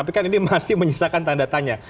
tapi kan ini masih menyisakan tanda tanya